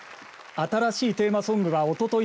新しいテーマソングはおととい